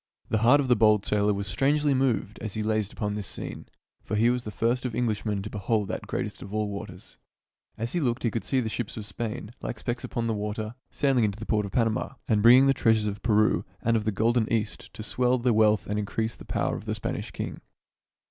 The heart of the bold sailor was strangely moved as he gazed upon this scene; for he was the first of Eng lishmen to behold that greatest of all waters. As he looked he could see the ships of Spain, like specks upon the water, sailing into the port of Pan ama, and bringing the treasures of Peru and of the 20 THIRTY MORE FAMOUS STORIES golden East to swell the wealth and increase the power of the Spanish king.